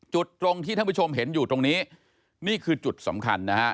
ตรงที่ท่านผู้ชมเห็นอยู่ตรงนี้นี่คือจุดสำคัญนะฮะ